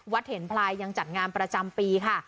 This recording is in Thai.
เห็นพลายยังจัดงานประจำปีค่ะ